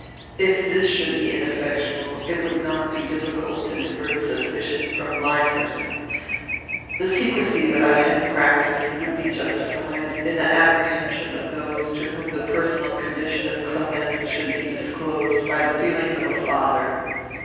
If this should be ineffectual, it would not be difficult to divert suspicion from my person. The secrecy that I had practised would be justified, in the apprehension of those to whom the personal condition of Clemenza should be disclosed, by the feelings of a father.